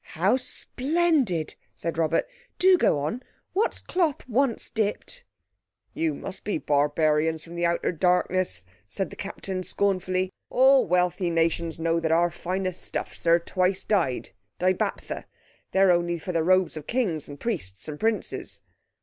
"How splendid!" said Robert. "Do go on. What's cloth once dipped?" "You must be barbarians from the outer darkness," said the Captain scornfully. "All wealthy nations know that our finest stuffs are twice dyed—dibaptha. They're only for the robes of kings and priests and princes."